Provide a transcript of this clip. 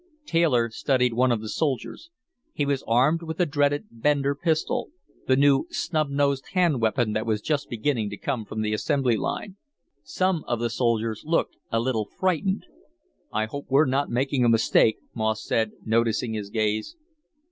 Taylor studied one of the soldiers. He was armed with the dreaded Bender pistol, the new snub nosed hand weapon that was just beginning to come from the assembly line. Some of the soldiers looked a little frightened. "I hope we're not making a mistake," Moss said, noticing his gaze.